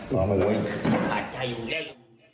เขาผักใจอยู่แล้ว